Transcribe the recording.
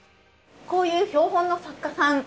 こういう標本の作家さん。